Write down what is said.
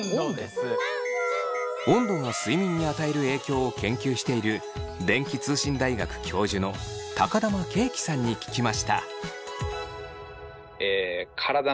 温度が睡眠に与える影響を研究している電気通信大学教授の玉圭樹さんに聞きました。